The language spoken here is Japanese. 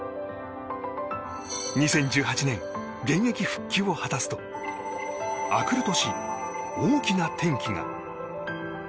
２０１８年、現役復帰を果たすと明くる年、大きな転機が。